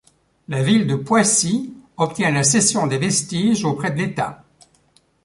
La ville de Poissy obtient la cession des vestiges auprès de l'État.